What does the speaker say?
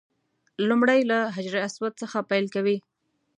لومړی له حجر اسود څخه پیل کوي.